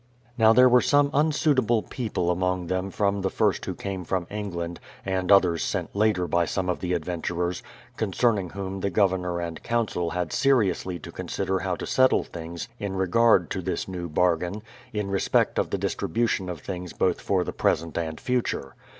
Now there were some unsuitable people among them from the first who came from England, and others sent later by some of the adventurers, concerning whom the Governor and Council had seriously to consider how to settle things in regard to this new bargain, in respect of the distribution of things both for the present and future.